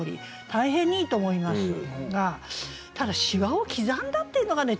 大変にいいと思いますがただ「しわを刻んだ」っていうのがね